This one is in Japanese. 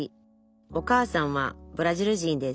お母さんはブラジル人です